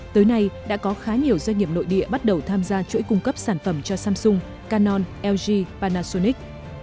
tới nay đã có khá nhiều doanh nghiệp nội địa bắt đầu tham gia chuỗi cung cấp sản phẩm cho samsung canon lg panasonic